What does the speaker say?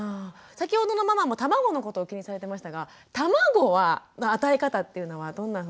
先ほどのママも卵のことを気にされてましたが卵は与え方っていうのはどんなふうにしたらいいですか？